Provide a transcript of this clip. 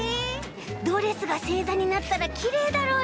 ドレスがせいざになったらきれいだろうね。